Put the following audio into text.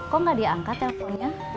kok gak diangkat telponnya